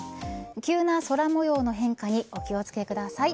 急な空模様の変化にお気を付けください。